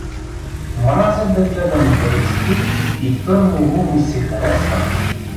Мразя да гледам гърците и Търново ми се харесва.